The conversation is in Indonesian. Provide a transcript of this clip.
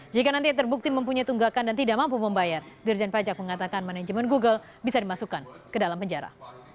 jika nanti terbukti mempunyai tunggakan dan tidak mampu membayar dirjen pajak mengatakan manajemen google bisa dimasukkan ke dalam penjara